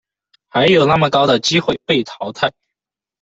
还有那么高的机会被淘汰